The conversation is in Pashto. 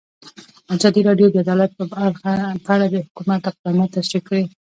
ازادي راډیو د عدالت په اړه د حکومت اقدامات تشریح کړي.